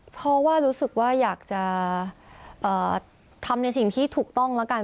เพราะว่ารู้สึกว่าอยากจะทำในสิ่งที่ถูกต้องแล้วกัน